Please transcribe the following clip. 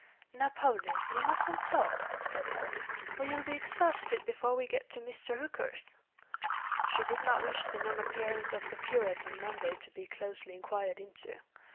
"Now, Poldie, you mustn't talk," said Helen, "or you'll be exhausted before we get to Mr. Hooker's." "She did not wish the non appearance of the curate on Monday to be closely inquired into.